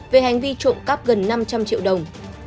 về hành vi trộm cắp gần năm trăm linh triệu đồng